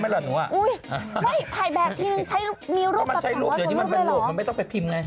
เพราะว่ามันใช้ลูกเดี๋ยวนี้มันเป็นลูกมันไม่ต้องไปพิมพ์ไง